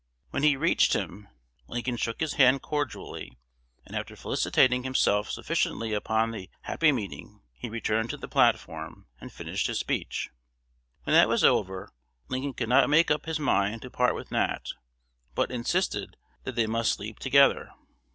When he reached him, Lincoln shook his hand "cordially;" and, after felicitating himself sufficiently upon the happy meeting, he returned to the platform, and finished his speech. When that was over, Lincoln could not make up his mind to part with Nat, but insisted that they must sleep together.